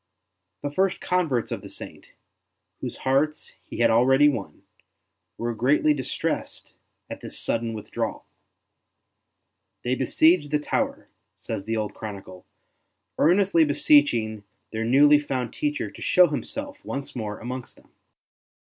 The first converts of the Saint, whose hearts he had already won, were greatly distressed at this sudden withdrawal. They besieged the tower, says the old chronicle, earnestly beseeching their newly found teacher to show himself once more amongst them.